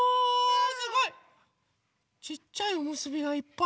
すごい！ちっちゃいおむすびがいっぱい。